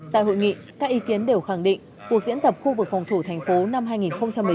tại hội nghị các ý kiến đều khẳng định cuộc diễn tập khu vực phòng thủ thành phố năm hai nghìn một mươi chín